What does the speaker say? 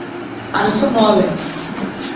Alifa nole.